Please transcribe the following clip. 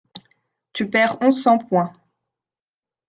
Tu perds onze cents points.